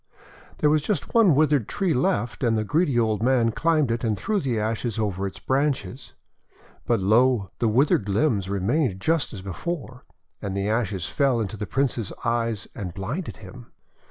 There was just one withered tree left, and the greedy old man climbed it, and threw the ashes over its branches. But, lo! the withered limbs remained just as before, and the ashes fell into the Prince's eyes and blinded him.